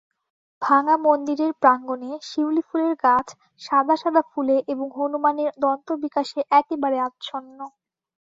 ভাঙা মন্দিরের প্রাঙ্গণে শিউলি ফুলের গাছ সাদা সাদা ফুলে এবং হনুমানের দন্তবিকাশে একেবারে আচ্ছন্ন।